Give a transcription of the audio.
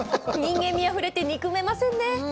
人間味あふれて憎めませんね。